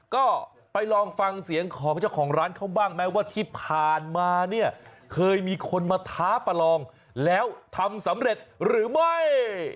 ก็ไปลองฟังเสียงของเจ้าของร้านเขาบ้างไหมว่าที่ผ่านมาเนี่ยเคยมีคนมาท้าประลองแล้วทำสำเร็จหรือไม่